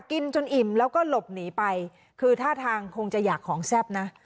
กินจนอิ่มแล้วก็หลบหนีไปคือท่าทางคงจะอยากของแซ่บนะ